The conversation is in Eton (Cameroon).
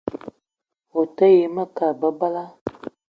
O te yi ma kat bebela.